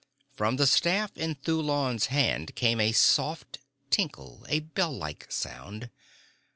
From the staff in Thulon's hand came a soft tinkle, a bell like sound.